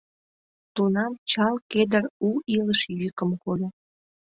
Тунам чал кедр у илыш йӱкым кольо.